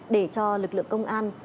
để cho lực lượng công an